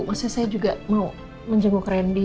maksudnya saya juga mau menjenguk randy